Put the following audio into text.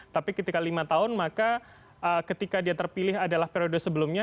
tapi ketika lima tahun maka ketika dia terpilih adalah periode sebelumnya